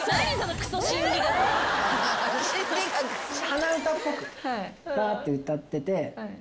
鼻歌っぽくラーって歌ってて。